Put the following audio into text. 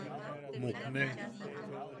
Mukne.